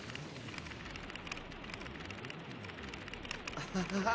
アハハハハ！